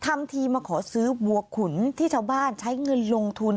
ทำทีมาขอซื้อบัวขุนที่ชาวบ้านใช้เงินลงทุน